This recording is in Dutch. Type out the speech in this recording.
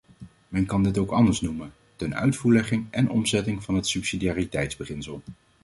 Men kan dit ook anders noemen: tenuitvoerlegging en omzetting van het subsidiariteitsbeginsel.